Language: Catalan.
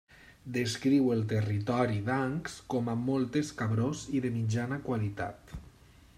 Descriu el territori d'Ancs com a molt escabrós i de mitjana qualitat.